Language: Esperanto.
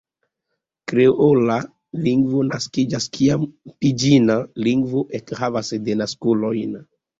Kreola lingvo naskiĝas kiam piĝina lingvo ekhavas denaskulojn.